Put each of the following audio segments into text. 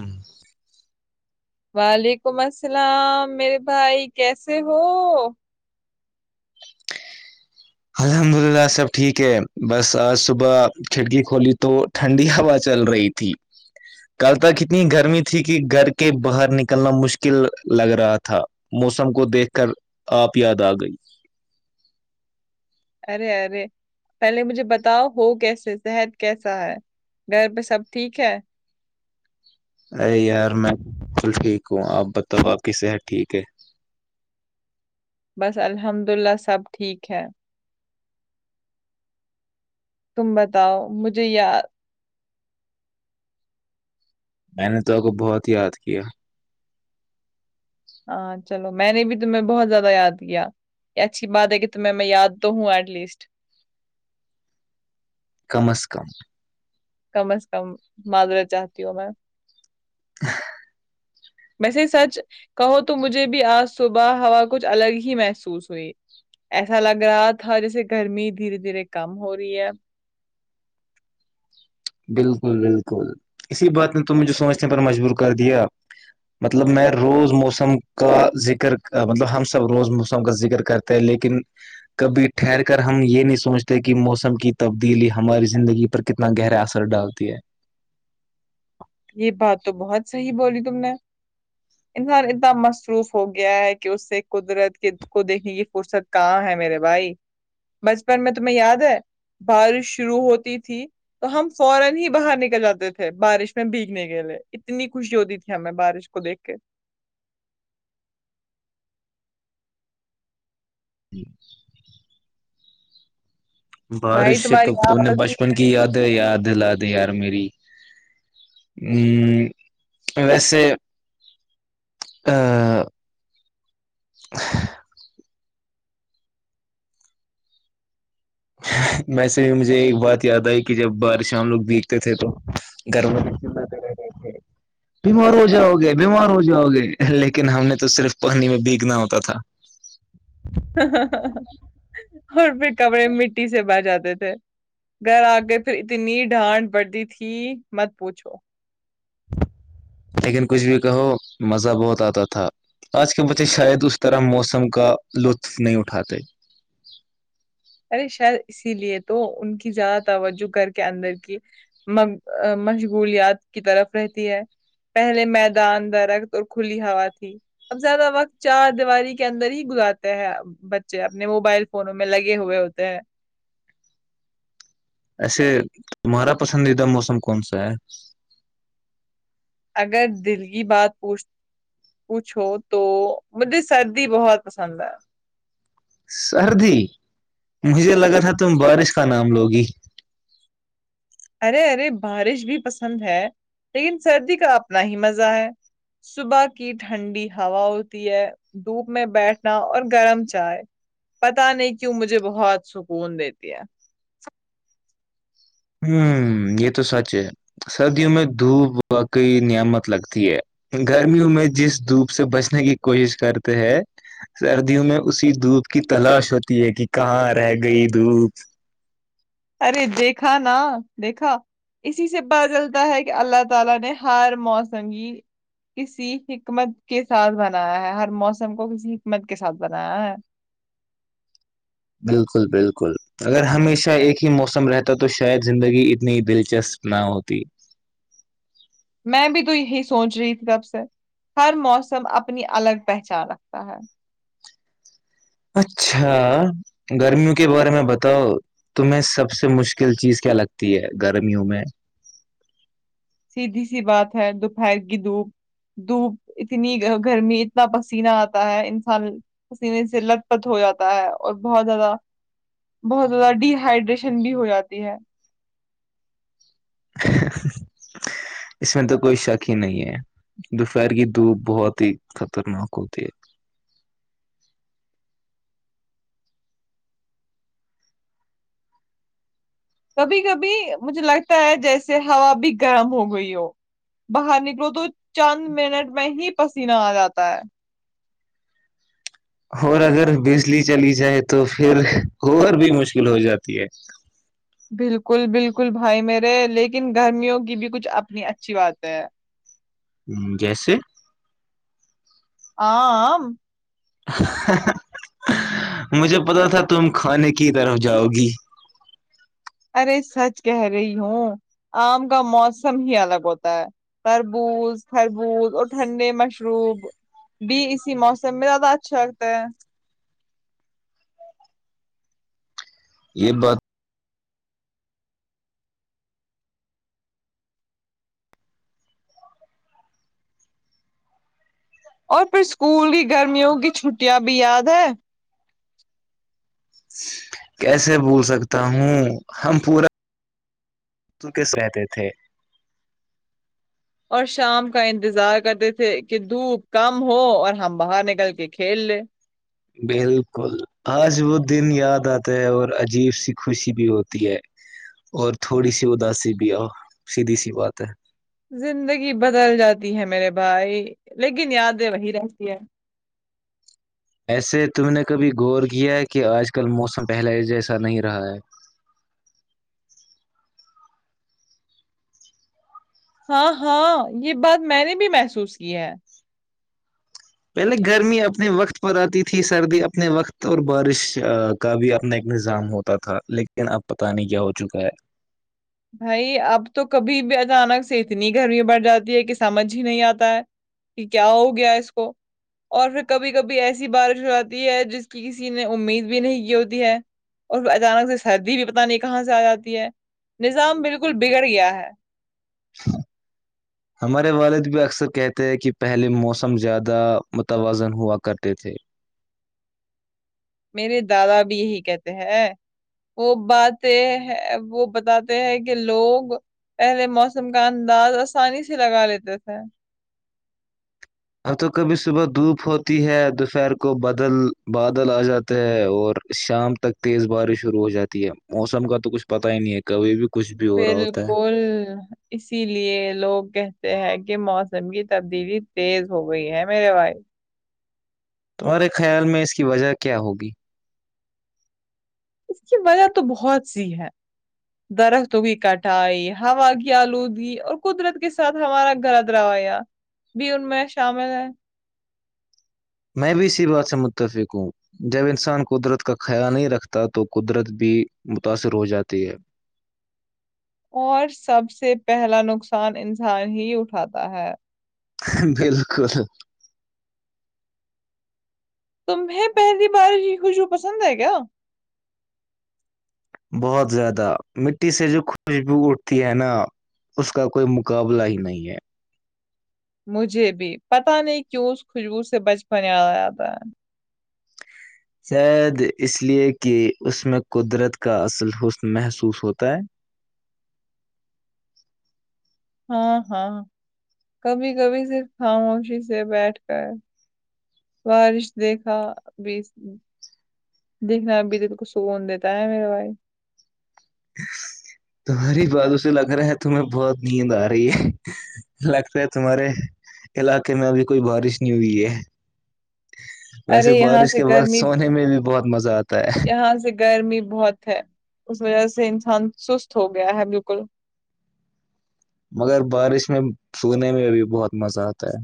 ہمم وعلیکم السلام میرے بھائی کیسے ہو الحمد للہ سب ٹھیک ہے بس آج صبح کھڑکی کھولی تو ٹھنڈی ہوا چل رہی تھی کل تک اتنی گرمی تھی کہ گھر کے باہر نکلنا مشکل لگ رہا تھا موسم کو دیکھ کر آپ یاد آ گئی ارے ارے پہلے مجھے بتاؤ ہو کیسے صحت کیسا ہے گھر پہ سب ٹھیک ہے ارے یار میں بالکل ٹھیک ہوں آپ بتاؤ آپ کی صحت ٹھیک ہے بس الحمد اللہ سب ٹھیک ہے تم بتاؤ مجھے یاد میں نے تو کو بہت یاد کیا ہاں چلو میں نے بھی تمہیں بہت زیادہ یاد کیا یہ اچھی بات ہے کہ تمہیں میں یاد تو ہوں ایٹ لیسٹ کم از کم کم از کم معذرت چاہتی ہوں میں [unintelligible] ویسے سچ کہو تو مجھے بھی آج صبح ہوا کچھ الگ ہی محسوس ہوئی ایسا لگ رہا تھا جیسے گرمی دھیرے دھیرے کم ہو رہی ہے بالکل بالکل اسی بات نے تو مجھے سوچنے پر مجبور کر دیا مطلب میں روز موسم کا ذکر مطلب ہم سب روز موسم کا ذکر کرتے لیکن کبھی ٹھہر کر ہم یہ نہیں سوچتے کہ موسم کی تبدیلی ہماری زندگی پر کتنا گہرا اثر ر ڈالتی ہے یہ بات تو بہت صحیح بولی تم نے انسان اتنا مصروف ہو گیا ہے کہ اس سے قدرت کے کو دیکھنے کی فرصت کہاں ہے میرے بھائی بچپن میں تمہیں یاد ہے بارش شروع ہوتی تھی تو ہم فورن ہی باہر نکل جاتے تھے بارش بھیگنے کے لے اتنی خوشی ہوتی تھی ہمیں بارش کو دیکھ کے بارش بھائی سے تمہاری کپتون نے آواز نہیں بچپن کی یاد یاد دلادی یار میری ہمم ویسے [unintelligible] ویسے بھی مجھے ایک بات یاد آئی کہ جب بارش ہم لوگ بیگتے تھے تو [unintelligible] [inaudible] بیمار ہو جاؤ گے بیمار ہو جاؤ گے لیکن ہم نے تو صرف پانی میں بیگنا ہوتا تھا اور پھر کپڑے مٹی سے بھر جاتے تھے گھر آ گئے پھر اتنی ڈھانٹ پڑھتی تھی مت پوچھو لیکن کچھ بھی کہو مزہ بہت آتا تھا آج کے بچے شاید اس طرح موسم کا لطف نہیں اٹھاتے ارے شاید اسی لیے تو ان کی زیادہ توجہ کر کے اندر کی مشغولیات کی طرف رہتی ہے پہلے میدان درخت اور کھلی ہوا تھی اب زیادہ وقت چار دیواری کے اندر ہی گزارتے ہیں بچے اپنے موبائل فونوں میں لگے ہوئے ہوتے ہے ایسے تمہارا پسندیدہ موسم کون سا ہے اگر دل کی بات پوچھ پوچھو تو مجھے سردی بہت پسند ہے سردی مجھے لگا تھا تم بارش کا نام لو گی ارے ارے بارش بھی پسند ہے لیکن سردی کا اپنا ہی مزہ ہے صبح کی ٹھنڈی ہوا ہوتی ہے دھوپ میں بیٹھنا اور گرم چائے پتا نہیں کیوں مجھے بہت سکون دیتی ہے ہوں یہ تو سچ ہے سردیوں میں دھوپ واقعی نعمت لگتی ہے گرمیوں میں جس دھوپ سے بچنے کی کوشش کرتے ہیں سردیوں میں اسی دھوپ کی تلاش ہوتی ہے کہ کہاں رہ گئی دھوپ ارے دیکھا نا دیکھا اسی سے پتا لگتا ہے کہ اللہ تعالی نے ہر موسم کی کسی حکمت کے ساتھ بنایا ہے ہر موسم کو کسی حکمت کے ساتھ بنایا ہے بالکل بالکل اگر ہمیشہ ایک ہی موسم رہتا تو شاید زندگی اتنی دلچسپ نہ ہوتی میں بھی تو یہی سوچ رہی تھی تب سے ہر موسم اپنی الگ پہچان رکھتا ہے اچھا گرمیوں کے بارے میں بتاؤ تمہیں سب سے مشکل چیز کیا لگتی ہے گرمیوں میں سیدھی سی بات ہے دوپہر کی دوپ دھوپ اتنی گرمی اتنا پسینہ آتا ہے انسان پسینے سے لت پت ہو جاتا ہے اور بہت زیادہ بہت زیادہ ڈی ہائڈریشن بھی ہو جاتی ہے [inaudible] اس میں تو کوئی شک ہی نہیں ہے دوپہر کی دھوپ بہت ہی خطرناک ہوتی ہے کبھی کبھی مجھے لگتا ہے جیسے ہوا بھی گرم ہو گئی ہو باہر نکلو تو چند منٹ میں ہی پسینہ آ جاتا ہے اور اگر بجلی چلی جائے تو پھر کر بھی مشکل ہو جاتی ہے بالکل بالکل بھائی میرے لیکن گرمیوں کی بھی کچھ اپنی اچھی بات ہے ہ جیسے آم [unintelligible] مجھے پتا تھا تم کھانے کی طرف جاؤ گی ارے سچ کہہ رہی ہوں آم کا موسم ہی الگ ہوتا ہے تربوز تربوز اور ٹھنڈے مشروب بھی اسی موسم میں زیادہ اچھا لگتا ہے یہ بات اور پھر اسکول کی گرمیوں کی چھٹیاں بھی یاد ہے کیسے بول سکتا ہوں ہم پورا رہتے تھے اور شام کا انتظار کرتے تھے کہ دھوپ کم ہو اور ہم باہر نکل کے کھیل لیں بالکل آج وہ دن یاد آتا ہے اور عجیب سی خوشی بھی ہوتی ہے اور تھوڑی سی اداسی بھی آؤ سیدھی سی بات ہے زندگی بدل جاتی ہے میرے بھائی لیکن یادیں وہی رہتی ہے ایسے تم نے کبھی غور کیا کہ آج کل موسم پہلا جیسا نہیں رہا ہے ہاں ہاں یہ بات میں نے بھی محسوس کی ہے پہلے گرمی اپنے وقت پر آتی تھی سردی اپنے وقت اور بارش کا بھی اپنا ایک نظام ہوتا تھا لیکن اب پتاہ نہیں کیا ہو چکا ہے بھائی اب تو کبھی بھی اچانک سے اتنی گرمی بڑھ جاتی ہے کہ سمجھ ہی نہیں آتا ہے کہ کیا ہو گیا اس کو اور پھر کبھی کبھی ایسی بارش ہو جاتی ہے جس کی کسی نے امید بھی نہیں کی ہوتی ہے اور اچانک سے سردی بھی پتہ نہیں کہاں سے آ جاتی ہے نظام بالکل بگڑ گیا ہے ہ [inaudible] ہمارے والد بھی اکثر کہتے ہیں کہ پہلے موسم زیادہ متوازن ہوا کرتے تھے میرے دادا بھی یہی کہتے ہیں وہ باتے ہے وہ بتاتے ہیں کہ لوگ پہلے موسم کا انداز آسانی سے لگا لیتے تھے اب تو کبھی صبح دھوپ ہوتی ہے دوپہر کو بادل بادل آ جاتے ہے اور شام تک تیز بارش شروع ہو جاتی ہے موسم کا تو کچھ پتا ہی نہیں ہے کبھی بھی کچھ بھی ہو رہا ہوتا ہے بالکل اسی لیے لوگ کہتے ہیں کہ موسم کی تبدیلی تیز ہو گئی ہے میرے بھائید تمہارے خیال میں اس کی وجہ کیا ہوگی اس کی وجہ تو بہت سی ہے درختوں کی کٹائی ہوا کی آلودگی اور قدرت کے ساتھ ہمارا گھردرویا بھی ان میں شامل ہے میں بھی اسی بات سے متفق ہوں جب انسان قدرت کا خیال نہیں رکھتا تو قدرت بھی متاثر ہو جاتی ہے اور سب سے پہلا نقصان انسان ہی اٹھاتا ہے بالکل [unintelligible] تمہیں پہلی بار ہیی خوشو پسند ہے کیا بہت زیادہ مٹی سے جو خوشبو اٹھتی ہے نا اس کا کوئی مقابلہ ہی نہیں ہے مجھے بھی پتا نہیں کیوں اس خوشبو سے بچپن یاد آتا ہے شاید اس لیے کہ اس میں قدرت کا اصل حسن محسوس ہوتا ہے ہاں ہاں کبھی کبھی صرف خاموشی سے بیٹھ کر بارش دیکھا بی دیکھنا اب تو تو کچھ سکون دیتا ہے میرے بھائی تمہاری بات اسے لگ رہا ہے تمہیں بہت نیند آ رہی ہے لگتا ہے تمہارے علاقے میں ابھی کوئی بارش نہیں ہوئی ہے ھم ویسے بارش کے بعد سونے میں بھی بہت مزہ آتا ہے یہاں سے گرمی بہت ہے اس وجہ سے انسان سست ہو گیا ہے بالکل مگر بارش میں سونے میں بھی بہت مزہ آتا ہے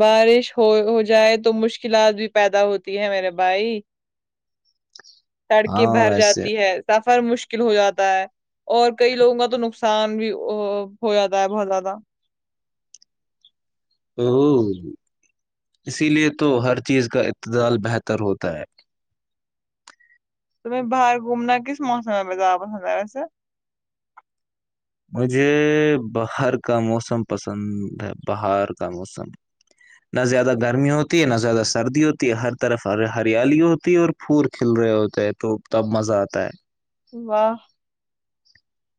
بارش ہو ہو جائے تو مشکلات بھی پیدا ہوتی ہے میرے بھائی سڑکیں ہاں بھر ویسے جاتی ہے سفر مشکل ہو جاتا ہے اور کئی لوگوں کا تو نقصان بھی ہو جاتا ہے بہت زیادہ ا اسی لیے تو ہر چیز کا اتدال بہتر ہوتا ہے تمہیں باہر گھومنا کس موسم میں زیادہ پسند ہے ویسے مجھے باہر کا موسم پسند ہے باہر کا موسم نہ زیادہ گرمی ہوتی ہے نہ زیادہ سردی ہوتی ہے ہر طرف ہریالی ہوتی ہے اور پھور کھل رہے ہوتے ہیں تو تب مزہ آتا ہے واہ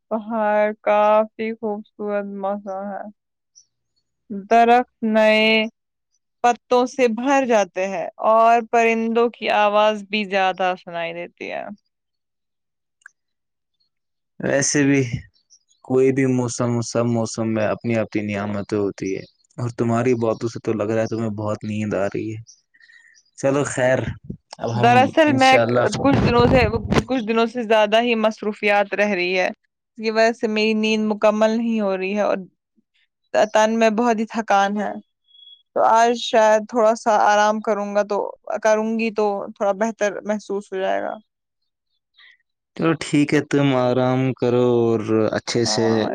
پہاڑ کافی خوبصورت موسم ہے درخت نئے پتوں سے بھر جاتے ہیں اور پرندوں کی آواز بھی زیادہ سناائی دیتی ہے ویسے بھی کوئی بھی موسم سب موسم میں اپنی اپنی نعمتیں ہوتی ہے اور تمہاری باتوں سے تو لگ رہا ہے تمہیں بہت نیند آ رہی ہے چلو خیر اب ہم دراصل میں انشاء اللہ کچھ چلو دنوں سے کچھ دنوں سے سے زیادہ ہی مصروفیات رہ رہی ہے کی وجہ سے میری نیند مکمل نہیں ہو رہی ہے اور تن میں بہت ہی تھکان ہے تو آج شاید تھوڑا سا آرام کروں گا تو کروں گی تو تھوڑا بہتر محسوس ہو جائے گا چلو ٹھیک ہے تم آرام کرو اور اچھ اچھے سے ہاں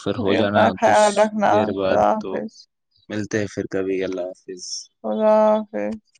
پھر ہو جانا اپنا کچھ خیال رکھنا دیر بعد خدا تو حافظ ملتے ہیں پھر کبھی اللہ حافظ اضا حفظ